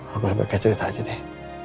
aku lebih baiknya cerita aja deh